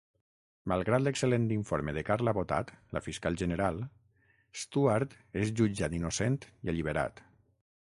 Malgrat l'excel·lent informe de Carla Botat, la fiscal general, Stuart és jutjat innocent i alliberat.